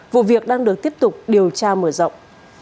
vụ việc đang được tiếp tục điều tra mở rộng